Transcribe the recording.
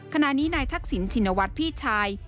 ขณะนี้นายทักษิณชินวัฒน์พี่ชาย